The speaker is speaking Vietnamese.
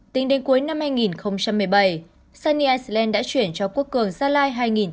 tính đến cuối năm hai nghìn một mươi bảy sunny island đã chuyển cho quốc cường gia lai hai tám trăm tám mươi hai tỷ đồng